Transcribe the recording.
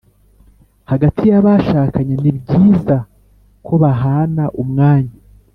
hagati y’abashakanye, ni byiza ko bahana umwanya